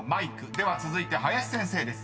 では続いて林先生です］